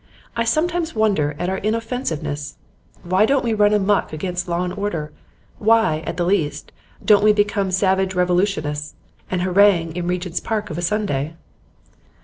I sometimes wonder at our inoffensiveness. Why don't we run amuck against law and order? Why, at the least, don't we become savage revolutionists, and harangue in Regent's Park of a Sunday?